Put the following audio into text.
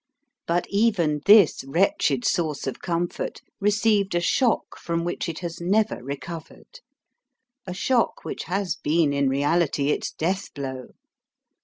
But, even this wretched source of comfort received a shock from which it has never recovered a shock which has been in reality its death blow.